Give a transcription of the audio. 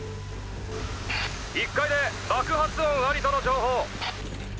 １階で爆発音アリとの情報。